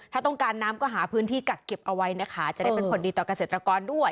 ถ้าต้องการน้ำก็หาพื้นที่กักเก็บเอาไว้นะคะจะได้เป็นผลดีต่อเกษตรกรด้วย